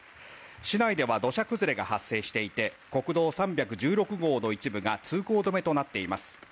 市内では土砂崩れが発生していて国道３１６号の一部が通行止めとなっています。